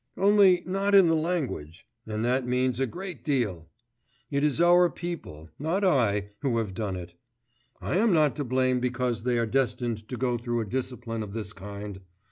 'Only not in the language and that means a great deal! And it is our people, not I, who have done it; I am not to blame because they are destined to go through a discipline of this kind.